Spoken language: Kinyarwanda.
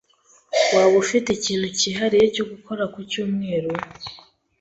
Waba ufite ikintu cyihariye cyo gukora ku cyumweru?